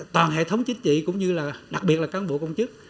toàn hệ thống chính trị cũng như là đặc biệt là cán bộ công chức